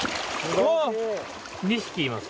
２匹います。